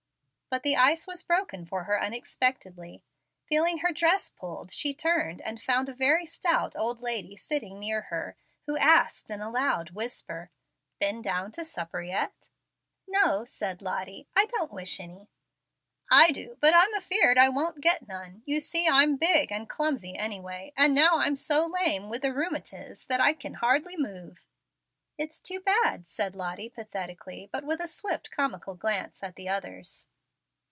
But the ice was broken for her unexpectedly. Feeling her dress pulled, she turned and found a very stout old lady sitting near her, who asked in a loud whisper, "Been down to supper yet?" "No," said Lottie, "I don't wish any." "I do, but I'm afeard I won't get none. You see I'm big and clumsy anyway, and now I'm so lame with the rheumatiz that I kin hardly move." "It's too bad," said Lottie, pathetically, but with a swift comical glance at the others.